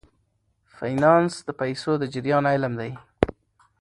فینانس د پیسو د جریان علم دی.